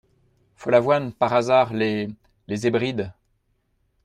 Follavoine Par hasard, les… les Hébrides…